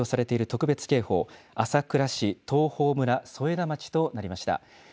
これで福岡県に発表されている特別警報、朝倉市、東峰村、添田町となりました。